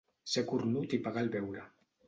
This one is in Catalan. Ser cornut i pagar el beure.